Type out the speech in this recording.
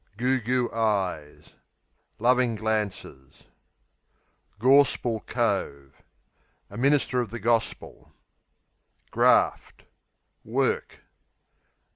Goo goo eyes Loving glances. Gorspil cove A minister of the Gospel. Graft Work.